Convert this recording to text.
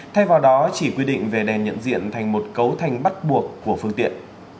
thay vào đó chỉ quy định về đèn nhận diện thành một cấu thành bắt buộc của phương tiện